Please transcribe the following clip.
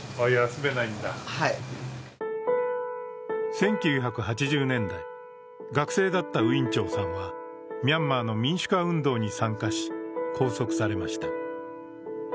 １９８０年代、学生だったウィン・チョウさんは、ミャンマーの民主化運動に参加し、拘束されました。